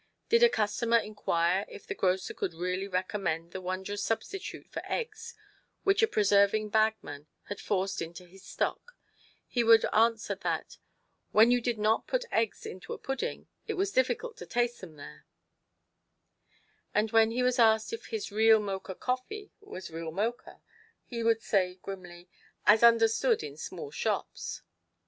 Did a customer inquire if the grocer could really recommend the wondrous substitute for eggs which a persevering bagman had forced into his stock, he would answer that " when you did not put eggs into a pudding it was difficult to taste them there ;" and when he was asked if his " real Mocha coffee " was real Mocha, he would say grimly, " as understood in small shops."